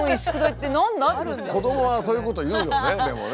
子どもはそういうことを言うよねでもね。